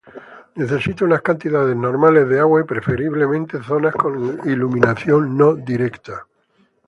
Necesita unas cantidades normales de agua, y preferiblemente, zonas con iluminación no directa.